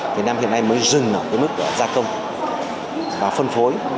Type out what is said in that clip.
việt nam hiện nay mới dừng ở cái mức gia công và phân phối